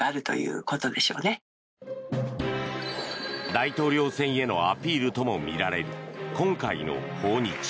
大統領選へのアピールともみられる今回の訪日。